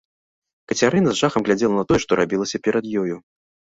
Кацярына з жахам глядзела на тое, што рабілася перад ёю.